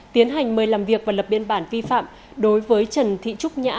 tiến hành mời làm việc và lập biên bản vi phạm đối với trần thị trúc nhã